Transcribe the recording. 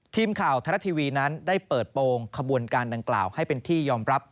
ทีมข่าวไทยรัฐทีวีนั้นได้เปิดโปรงขบวนการดังกล่าวให้เป็นที่ยอมรับ